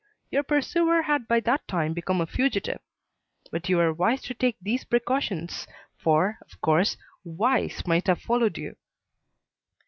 Your pursuer had by that time become a fugitive. But you were wise to take these precautions, for, of course, Weiss might have followed you."